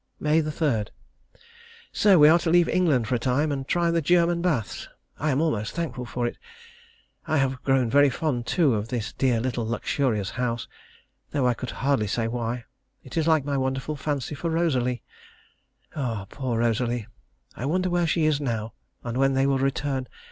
May 3. So we are to leave England for a time, and try the German baths. I am almost thankful for it. I have grown very fond, too, of this dear little luxurious house, though I could hardly say why. It is like my wonderful fancy for Rosalie. Ah, poor Rosalie! I wonder where she is now, and when they will return.